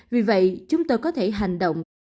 vì vậy chúng tôi có thể hành động